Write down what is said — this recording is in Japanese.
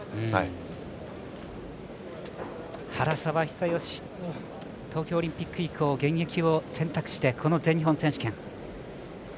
久喜東京オリンピック以降現役を選択してこの全日本選手権。